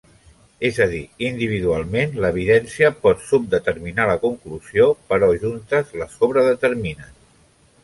És a dir, individualment, l'evidència pot subdeterminar la conclusió, però juntes la sobredeterminen.